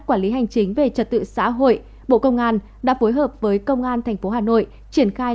quản lý hành chính về trật tự xã hội bộ công an đã phối hợp với công an tp hà nội triển khai